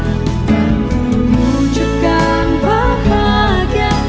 dan kuunjukkan bahagia